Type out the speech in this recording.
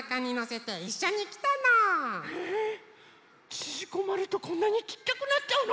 ちぢこまるとこんなにちっちゃくなっちゃうの？